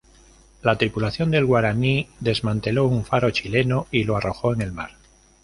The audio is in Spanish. La tripulación del "Guaraní" desmanteló un faro chileno y lo arrojó en el mar.